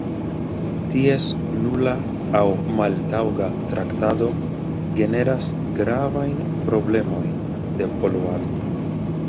Ties nula aŭ maltaŭga traktado generas gravajn problemojn de poluado.